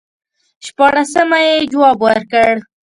شپاړسمه یې جواب ورکړ.